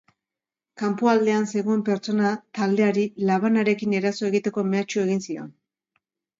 Kanpoaldean zegoen pertsona taldeari labanarekin eraso egiteko mehatxu egin zion.